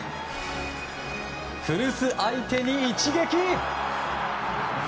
古巣相手に一撃！